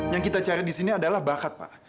yang kita cari di sini adalah bakat pak